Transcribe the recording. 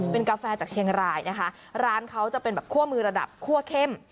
เป็นกาแฟจากเชียงรายนะคะร้านเขาจะเป็นแบบคั่วมือระดับคั่วเข้ม